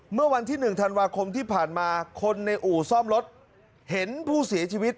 เมื่อวันที่๑ธันวาคมที่ผ่านมาคนในอู่ซ่อมรถเห็นผู้เสียชีวิต